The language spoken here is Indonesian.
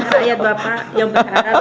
saya ingin tahu siapa yang berharap